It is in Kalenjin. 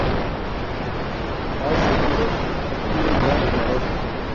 aii sikindet, atinye imaanda anerech